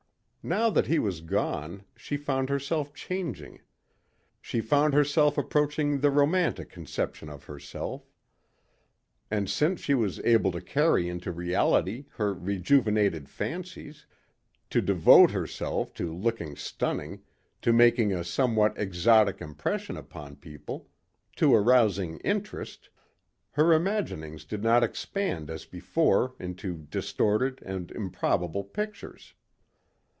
Now that he was gone she found herself changing. She found herself approaching the romantic conception of herself. And since she was able to carry into reality her rejuvenated fancies, to devote herself to looking stunning, to making a somewhat exotic impression upon people, to arousing interest her imaginings did not expand as before into distorted and improbable pictures.